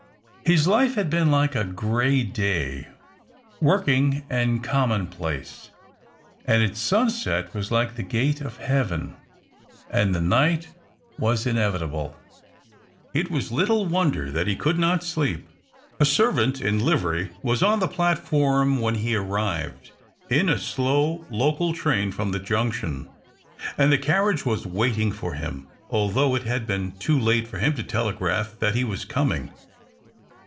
His life had been like a grey day, working and commonplace ; and its sunset was like the gate of heaven ; and the night was inevitable. It was little wonder that he could not sleep. A servant in livery was on the platform when he arrived — in a slow local train from the junction — and the carriage was waiting for him, although it had been too late for him to telegraph that he was coming.